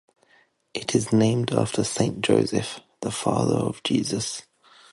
It is named after Saint Joseph, the father of Jesus.